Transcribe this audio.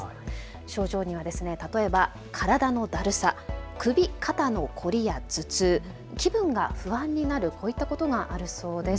症状は例えば体のだるさ、首肩の凝りや頭痛、気分が不安になるといったことがあるそうです。